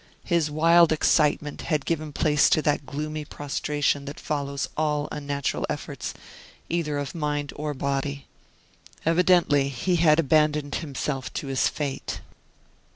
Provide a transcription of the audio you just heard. His wild excitement had given place to that gloomy prostration that follows all unnatural efforts, either of mind or body. Evidently he had abandoned himself to his fate.